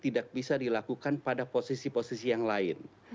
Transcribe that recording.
tidak bisa dilakukan pada posisi posisi yang lain